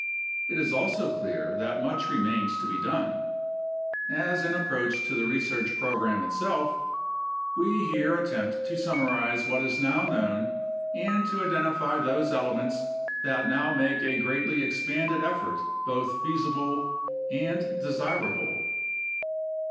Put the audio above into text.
It is also clear that much remains to be done. As an approach to the research program itself, we here attempt to summarize what is now known and to identify those elements that now make a greatly expanded effort both feasible and desirable.